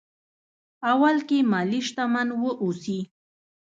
اول کې مالي شتمن واوسي.